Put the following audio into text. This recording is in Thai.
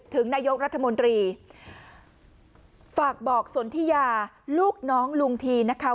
ถึงนายกรัฐมนตรีฝากบอกสนทิยาลูกน้องลุงทีนะคะ